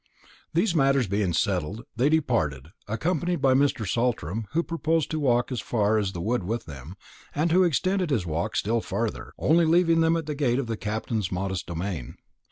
These matters being settled, they departed, accompanied by Mr. Saltram, who proposed to walk as far as the wood with them, and who extended his walk still farther, only leaving them at the gate of the Captain's modest domain.